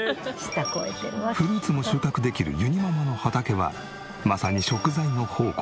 フルーツも収穫できるゆにママの畑はまさに食材の宝庫。